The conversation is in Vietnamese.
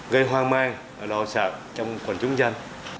gây hoang mang và lo sợ trong quần chúng dân